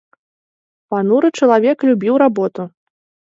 Пануры чалавек любіў работу!